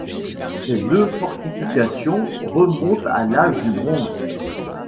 Ses deux fortifications remontent à l'âge du bronze.